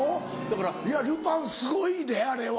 いやルパンすごいであれは。